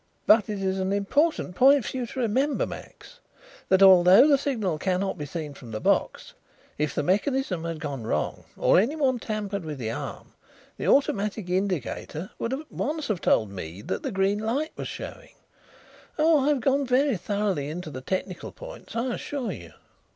"But it is an important point for you to remember, Max, that although the signal cannot be seen from the box, if the mechanism had gone wrong, or anyone tampered with the arm, the automatic indicator would at once have told Mead that the green light was showing. Oh, I have gone very thoroughly into the technical points, I assure you."